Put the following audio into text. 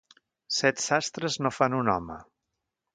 Set sastres no fan un home.